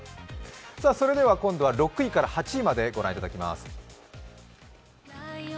それではコンロは６位から８位まで御覧いただきます。